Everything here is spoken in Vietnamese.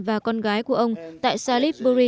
và con gái của ông tại salisbury